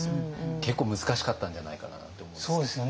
結構難しかったんじゃないかななんて思うんですけど。